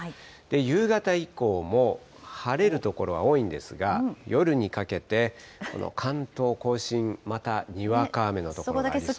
夕方以降も晴れる所は多いんですが、夜にかけて、この関東甲信、またにわか雨の所がありそうですね。